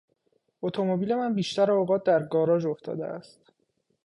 اتومبیل من بیشتر اوقات در گاراژ افتاده است.